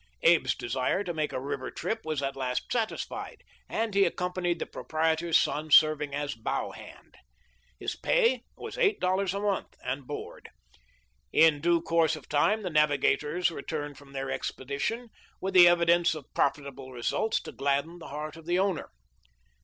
Abe's desire to make a river trip was at last satisfied, and he accompanied the proprietor's son, serving as " bow hand." His pay was eight dollars a month and board. In due course of time the navigators returned from their expedition with the evidence of profitable results to gladden the heart of the owner.